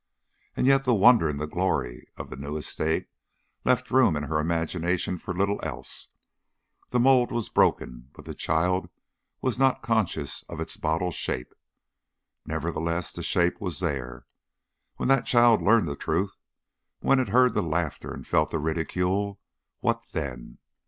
As yet the wonder and the glory of the new estate left room in her imagination for little else; the mold was broken, but the child was not conscious of its bottle shape. Nevertheless the shape was there. When that child learned the truth, when it heard the laughter and felt the ridicule, what then?